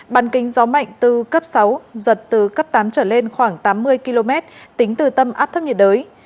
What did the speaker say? bàn kính gió mạnh từ cấp sáu giật từ cấp tám trở lên khoảng tám mươi km tính từ tâm áp thấp nhiệt đới